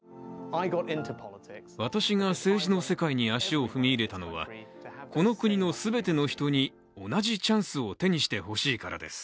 私が政治の世界に足を踏み入れたのはこの国の全ての人に同じチャンスを手にしてほしいからです。